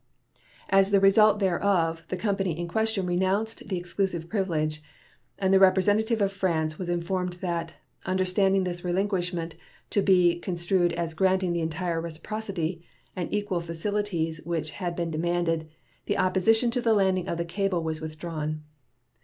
As the result thereof the company in question renounced the exclusive privilege, and the representative of France was informed that, understanding this relinquishment to be construed as granting the entire reciprocity and equal facilities which had been demanded, the opposition to the landing of the cable was withdrawn.